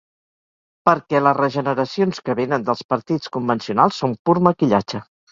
Perquè les regeneracions que vénen dels partits convencionals són pur maquillatge.